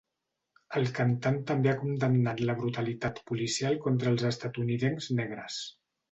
El cantant també ha condemnat la brutalitat policial contra els estatunidencs negres.